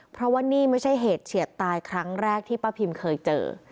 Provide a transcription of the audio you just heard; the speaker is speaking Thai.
เพราะว่านี่ไม่ใช่เหตุเฉียดตายครั้งแรกที่ป้าพิมเคยเจอ